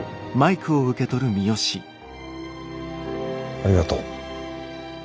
ありがとう。